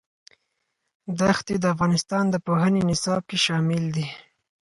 دښتې د افغانستان د پوهنې نصاب کې شامل دي.